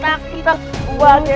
wah keren banget